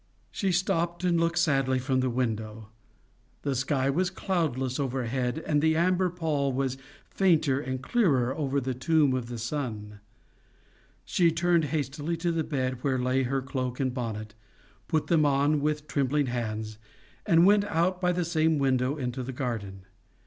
She stopped, and looked sadly from the window. The sky was cloudless overhead, and the amber pall was fainter and clearer over the tomb of the sun. She turned hastily to the bed where lay her cloak and bonnet, put them on with trembling hands, and went out by that same window into the garden.